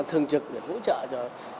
thường trực để hỗ trợ cho